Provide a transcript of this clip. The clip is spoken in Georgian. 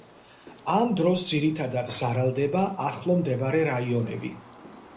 ამ დროს ძირითადად ზარალდება ახლო მდებარე რაიონები.